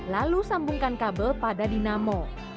lalu sambungkan kabel pada dinamo